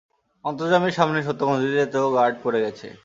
অন্তর্যামীর সামনে সত্যগ্রন্থিতে তো গাঁঠ পড়ে গেছে।